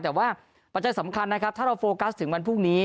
แต่ว่าปัจจัยสำคัญนะครับถ้าเราโฟกัสถึงวันพรุ่งนี้